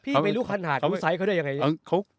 ไม่รู้ขนาดรู้ไซส์เขาได้ยังไง